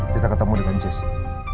kita ketemu dengan jessy